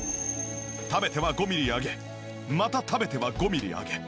食べては５ミリ上げまた食べては５ミリ上げ。